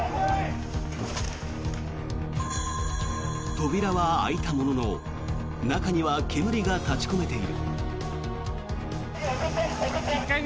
扉は開いたものの中には煙が立ち込めている。